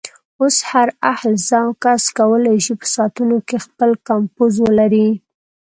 اوس هر اهل ذوق کس کولی شي په ساعتونو کې خپل کمپوز ولري.